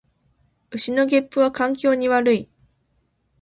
牛のげっぷは環境に悪い